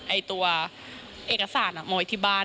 ไอ้ตัวเอกสารโมยที่บ้าน